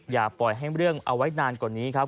อย่าปล่อยให้เรื่องเอาไว้นานกว่านี้ครับ